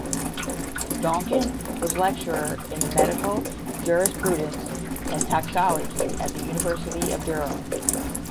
Donkin was lecturer in Medical Jurisprudence and Toxicology at the University of Durham.